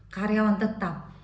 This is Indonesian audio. sembilan belas karyawan tetap